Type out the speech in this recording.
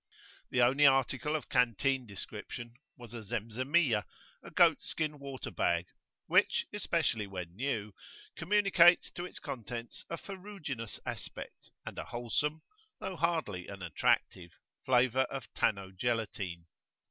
The only article of canteen description was a Zemzemiyah, a goat skin water bag, which, especially when new, communicates to its contents a ferruginous aspect and a wholesome, though hardly an attractive, flavour of tanno gelatine.